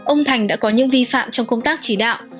ông thành đã có những vi phạm trong công tác chỉ đạo